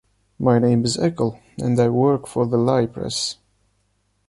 My name is Eckel and I work for the lie press.